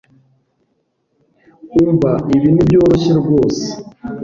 Umva ibi Nibyoroshye rwose